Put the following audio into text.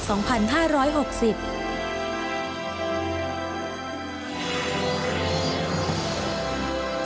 ฉบับวันที่๒๒ตุลาคมพุทธศักราช๒๕๖๐